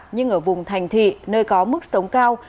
nhưng ở vùng thành thị nơi có mức sống cao